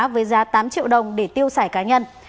với giá tám triệu đồng để tiêu xài cá nhân